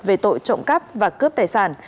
về tội trộm cắp và cướp tài sản